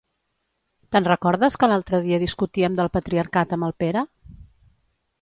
Te'n recordes que l'altre dia discutíem del patriarcat amb el Pere?